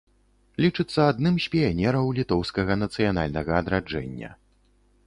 Лічыцца адным з піянераў літоўскага нацыянальнага адраджэння.